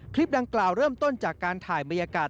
คลิปดังกล่าวเริ่มต้นจากการถ่ายบรรยากาศ